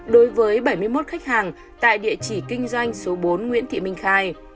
đối với bảy mươi một khách hàng tại địa chỉ kinh doanh số bốn nguyễn thị minh khai